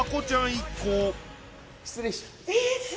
一行失礼します